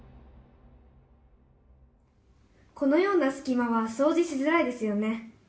「このようなすき間はそうじしづらいですよね。